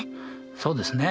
そうですね。